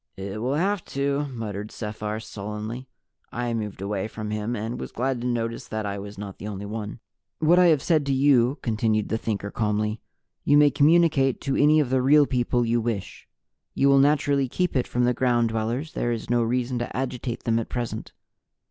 "It will have to," muttered Sephar sullenly. I moved away from him and was glad to notice that I was not the only one. "What I have said to you," continued the Thinker calmly, "you may communicate to any of the Real People you wish. You will naturally keep it from the Ground Dwellers; there is no reason to agitate them at present.